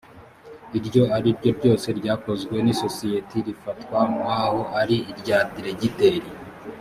iryo ari ryo ryose ryakozwe n’ isosiyete rifatwa nk’ aho ari irya diregiteri